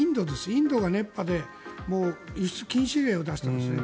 インドが熱波でもう輸出禁止令を出したんですね。